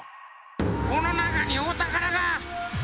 このなかにおたからが！